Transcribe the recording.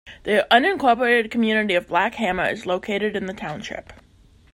The unincorporated community of Black Hammer is located in the township.